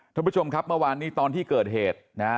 ท่านผู้ชมครับเมื่อวานนี้ตอนที่เกิดเหตุนะฮะ